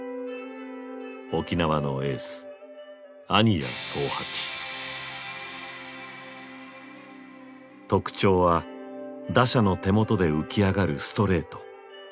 沖縄のエース特徴は打者の手元で浮き上がるストレート。